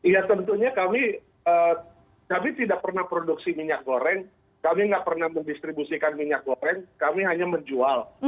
ya tentunya kami kami tidak pernah produksi minyak goreng kami tidak pernah mendistribusikan minyak goreng kami hanya menjual